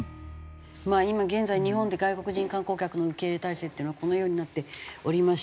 まあ今現在日本で外国人観光客の受け入れ態勢っていうのはこのようになっておりまして。